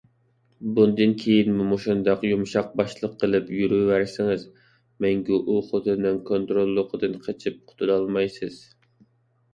بۇندىن كېيىنمۇ مۇشۇنداق يۇمشاقباشلىق قىلىپ يۈرۈۋەرسىڭىز، مەڭگۈ ئۇ خوتۇننىڭ كونتروللۇقىدىن قېچىپ قۇتۇلالمايسىز.